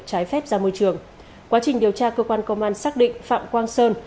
trái phép ra môi trường quá trình điều tra cơ quan công an xác định phạm quang sơn